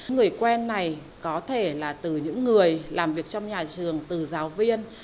người quen này có thể là từ những người làm việc trong nhà trường từ giáo viên